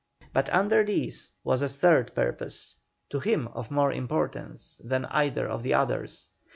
But under these was a third purpose, to him of more importance than either of the others.